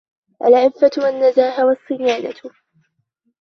الْعِفَّةُ وَالنَّزَاهَةُ وَالصِّيَانَةُ